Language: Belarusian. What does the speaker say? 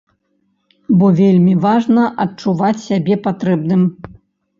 Бо вельмі важна адчуваць сябе патрэбным.